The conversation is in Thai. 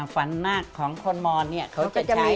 ฝันหน้าของคนมรเขาจะใช้